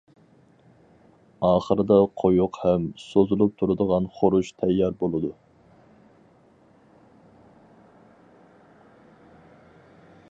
ئاخىرىدا قويۇق ھەم سوزۇلۇپ تۇرىدىغان خۇرۇچ تەييار بولىدۇ.